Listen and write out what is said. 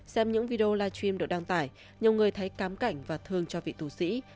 xem những video livestream được đăng tải nhiều người thấy cám cảnh và thương cho vị tu sĩ